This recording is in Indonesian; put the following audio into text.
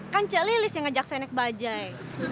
kan cek lilis yang ngajak saya naik bajai